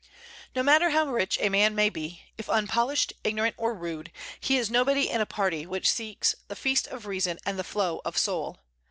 No matter how rich a man may be, if unpolished, ignorant, or rude, he is nobody in a party which seeks "the feast of reason and the flow of soul."